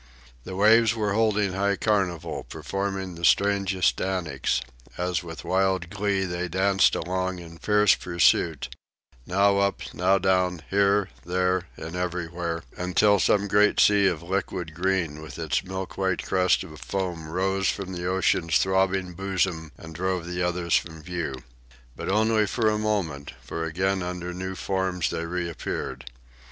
The waves were holding high carnival, performing the strangest antics, as with wild glee they danced along in fierce pursuit now up, now down, here, there, and everywhere, until some great sea of liquid green with its milk white crest of foam rose from the ocean's throbbing bosom and drove the others from view. But only for a moment, for again under new forms they reappeared.